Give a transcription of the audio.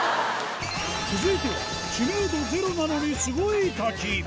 続いては、知名度ゼロなのにすごい滝。